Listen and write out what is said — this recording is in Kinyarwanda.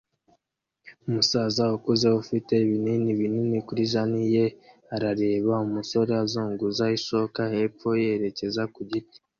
Umusaza ukuze ufite ibinini binini kuri jans ye arareba umusore azunguza ishoka hepfo yerekeza ku giti